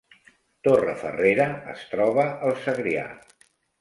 Torrefarrera es troba al Segrià